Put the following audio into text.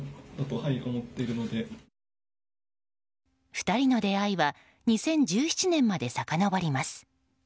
２人の出会いは２０１７年までさかのぼります。